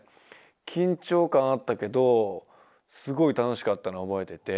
緊張感あったけどすごい楽しかったのはおぼえてて。